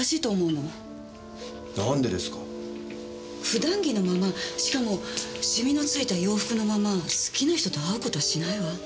普段着のまましかもシミの付いた洋服のまま好きな人と会う事はしないわ。